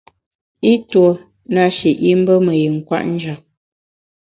I tuo na shi i mbe me yin kwet njap.